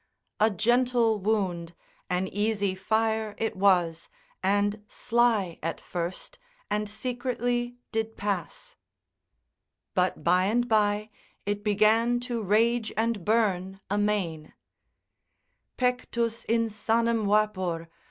A gentle wound, an easy fire it was, And sly at first, and secretly did pass. But by and by it began to rage and burn amain; ———Pectus insanum vapor.